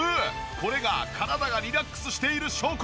これが体がリラックスしている証拠！